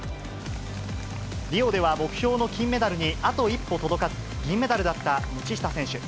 リオでは目標の金メダルにあと一歩届かず、銀メダルだった道下選手。